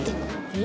え？